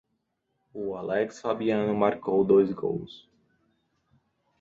O Alex Fabiano marcou dois gols.